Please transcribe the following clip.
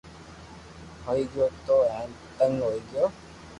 ھوئيي گيو تو ھين تنگ ھوئي گيو